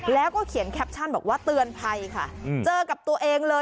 แล้วก็เขียนแคปชั่นบอกว่าเตือนภัยค่ะเจอกับตัวเองเลย